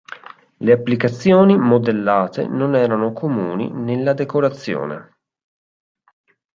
Le applicazioni modellate non erano comuni nella decorazione.